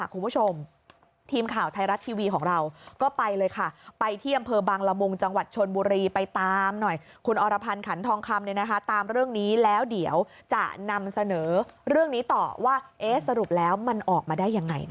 คุณผู้ชมทีมข่าวไทยรัสทีวีของเราก็ไปเลยค่ะ